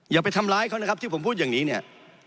อย่าไปทำร้ายเขานะครับที่ผมพูดอย่างนี้เนี่ย